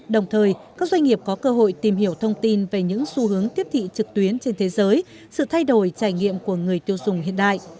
đồng thời các doanh nghiệp có cơ hội tìm hiểu thông tin về những xu hướng tiếp thị trực tuyến trên thế giới sự thay đổi trải nghiệm của người tiêu dùng hiện đại